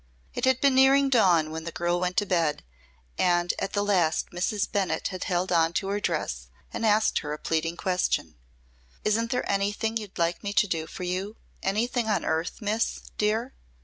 It had been nearing dawn when the girl went to bed and at the last Mrs. Bennett had held on to her dress and asked her a pleading question. "Isn't there anything you'd like me to do for you anything on earth, Miss, dear?